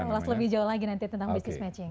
ulas lebih jauh lagi nanti tentang business matching